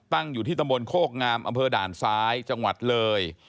อยู่ที่ตำบลโคกงามอำเภอด่านซ้ายจังหวัดเลย